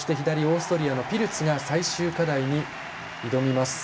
そして左、オーストリアのピルツ最終課題に挑みます。